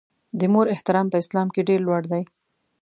د مور احترام په اسلام کې ډېر لوړ دی.